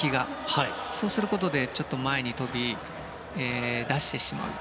そうすることで前に飛び出してしまう。